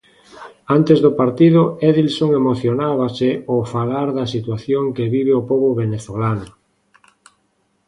Antes do partido Edilson emocionábase ao falar da situación que vive o pobo venezolano.